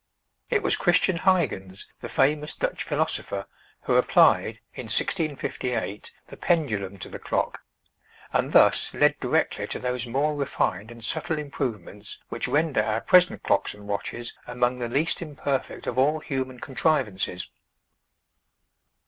It was Christian Huygens, the famous Dutch philosopher, who applied, in 1658, the pendulum to the clock, and thus led directly to those more refined and subtle improvements, which render our present clocks and watches among the least imperfect of all human contrivances.